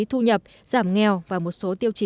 thu nhập giảm nghèo và một số tiêu chí